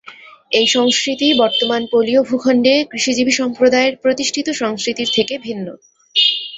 এই সংস্কৃতি বর্তমান পোলীয় ভূখণ্ডে কৃষিজীবী সম্প্রদায়ের প্রতিষ্ঠিত সংস্কৃতির থেকে ভিন্ন।